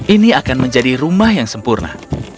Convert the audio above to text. ini akan menjadi rumah yang sempurna